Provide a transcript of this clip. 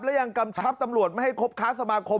และยังกำชับตำรวจไม่ให้ครบค้าสมาคม